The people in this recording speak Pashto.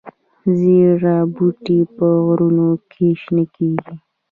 زیره بوټی په غرونو کې شنه کیږي؟